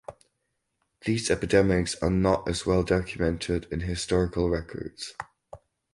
These epidemics are not as well documented in historical records.